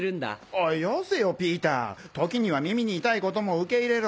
おいよせよピーター時には耳に痛いことも受け入れろ。